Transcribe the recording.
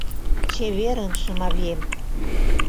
Чеверын, Шымавием!